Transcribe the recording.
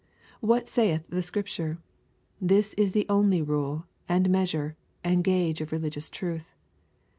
What saith the Scripture ? This is the only rule, and measure, and guage of religious truth.